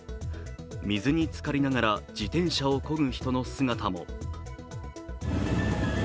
水につかりながら自転車をこぐ人の姿も。